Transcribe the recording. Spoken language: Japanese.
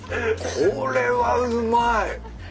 これはうまい。